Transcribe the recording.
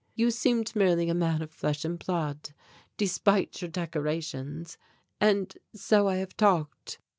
You seemed merely a man of flesh and blood, despite your decorations, and so I have talked.